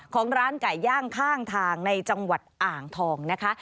ของร้านไก่ย่างข้างทางในจังหวัดอ่างทองนะคะ